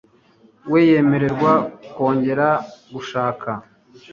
we yemererwe kongera gushaka